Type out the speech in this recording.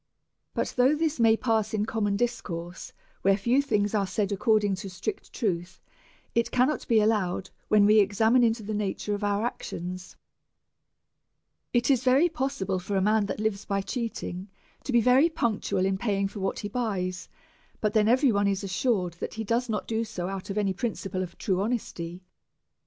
But though this may pass in common discourse, where few things are said according to strict truth, it cannot be allowed when we examine into the nature of our ac tions. 44 A SERIOUS CALL TO A . It is very possible for a man that lives by cheating to be very punctual in paying; for what he buys^ but then every one is assured that he does not do so out of any principle of true honesty.